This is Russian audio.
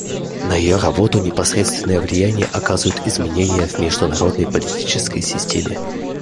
На ее работу непосредственное влияние оказывают изменения в международной политической системе.